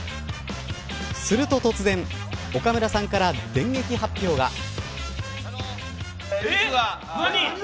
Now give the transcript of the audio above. すると突然、岡村さんから電撃発表が。